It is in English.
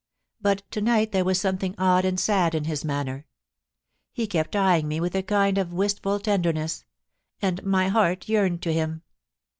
But to night there was something odd and sad in his manner. He kept eyeing me with a kind of wistftil tenderness ; and my heart yearned to him.